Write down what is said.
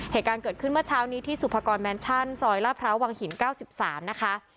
เหตุการณ์เกิดขึ้นเมื่อเช้านี้ที่สุภากรแมนชั่นซอยลาดพร้าววังหิน๙๓นะคะ